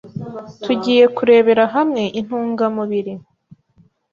Tugiye kurebera hamwe intunga mubiri